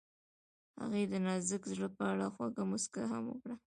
هغې د نازک زړه په اړه خوږه موسکا هم وکړه.